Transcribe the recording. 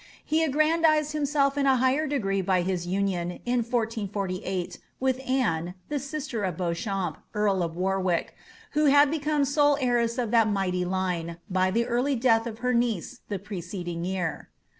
He aggrandized himself in a higher degree by his union, in 1448, with Anne, the sister of Beauehamp, earl of Warwick, who had become sole heiress of that mighty line, by the early death of her niece the preceding year.